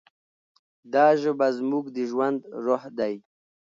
دا ژبه زموږ د ژوند روح دی.